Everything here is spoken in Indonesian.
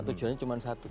tujuannya cuma satu